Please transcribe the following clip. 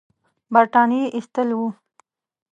برټانیې ایستل وو.